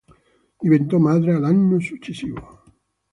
Diventò madre l'anno successivo.